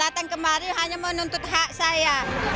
datang kemari hanya menuntut hak saya